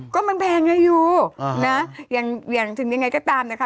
ก็มันแพงไงอยู่นะอย่างถึงยังไงก็ตามนะคะ